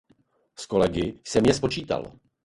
S kolegy jsem je spočítal.